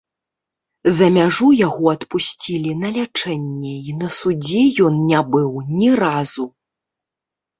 За мяжу яго адпусцілі на лячэнне, і на судзе ён не быў ні разу.